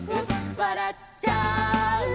「わらっちゃうね」